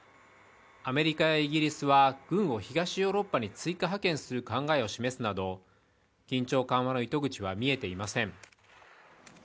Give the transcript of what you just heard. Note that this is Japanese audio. アメリカやイギリスは軍を東ヨーロッパに追加派遣する考えを示すなど、緊張緩和の糸口は見えていません。